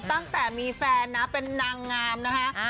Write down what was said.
ตั้งแต่มีแฟนนะเป็นนางงามนะคะ